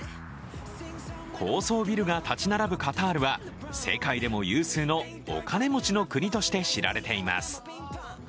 高層ビルが建ち並ぶカタールは世界でも有数のお金持ちの国として知られています。